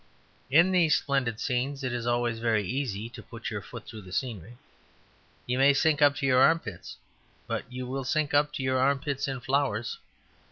In these splendid scenes it is always very easy to put your foot through the scenery. You may sink up to your armpits; but you will sink up to your armpits in flowers.